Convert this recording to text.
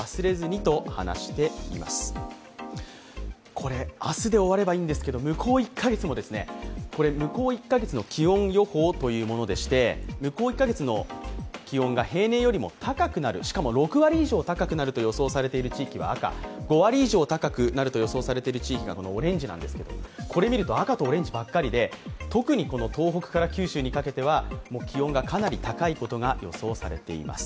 これ、明日で終わればいいんですけど向こう１か月の気温が平年よりも６割以上高くなると予想されている地域は赤、５割以上高くなると予想されている地域はオレンジなんですけど、これを見ると赤とオレンジばかりで特にこの東北から九州にかけては、気温がかなり高いことが予想されています。